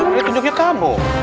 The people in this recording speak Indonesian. ini tunjuknya kamu